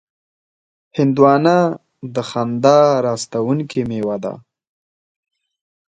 هندوانه د خندا راوستونکې میوه ده.